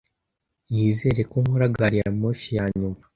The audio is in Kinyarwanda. Nizere ko nkora gari ya moshi yanyuma,.